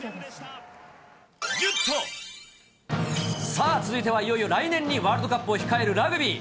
さあ、続いてはいよいよ来年にワールドカップを控えるラグビー。